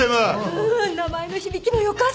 うん名前の響きもよかし。